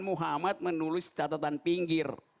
muhammad menulis catatan pinggir